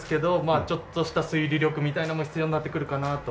あちょっとした推理力みたいなのも必要になってくるかなと。